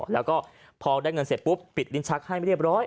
แล้วก็พอได้เงินเสร็จปุ๊บปิดลิ้นชักให้ไม่เรียบร้อย